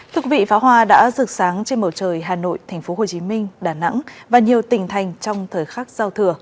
thực vị pháo hoa đã rực sáng trên màu trời hà nội tp hcm đà nẵng và nhiều tỉnh thành trong thời khắc giao thừa